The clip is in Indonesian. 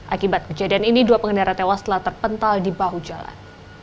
akibat kejadian ini dua pengendara tewas telah terpental di bahu jalan